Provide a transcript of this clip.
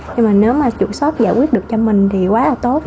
nhưng mà nếu mà chủ shop giải quyết được cho mình thì quá là tốt